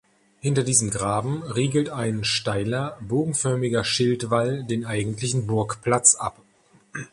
Hinter diesem Graben riegelt ein steiler bogenförmiger Schildwall den eigentlichen Burgplatz ab.